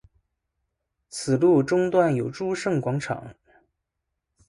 此路中段有诸圣广场。